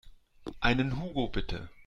Einen Hugo bitte.